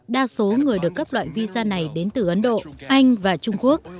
đa số người được cấp loại visa này đến từ ấn độ anh và trung quốc